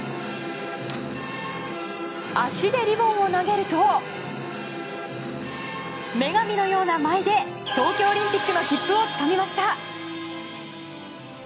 足でリボンを投げると女神のような舞いで東京オリンピックの切符をつかみました。